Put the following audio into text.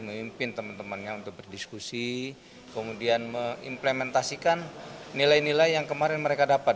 memimpin teman temannya untuk berdiskusi kemudian mengimplementasikan nilai nilai yang kemarin mereka dapat